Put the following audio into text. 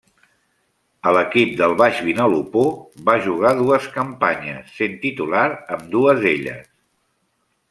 A l'equip del Baix Vinalopó va jugar dues campanyes, sent titular ambdues elles.